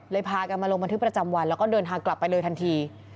พากันมาลงบันทึกประจำวันแล้วก็เดินทางกลับไปเลยทันที